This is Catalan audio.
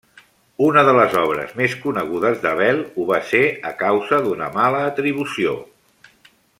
Una de les obres més conegudes d'Abel ho va ser a causa d'una mala atribució.